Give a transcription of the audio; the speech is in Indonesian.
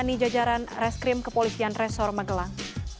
di jajaran reskrim kepolisian resor magelang